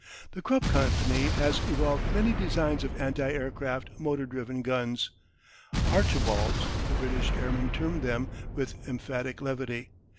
The Krupp Company has evolved many designs of anti aircraft motor driven guns "Archibalds" the British airmen term them with emphatic levity.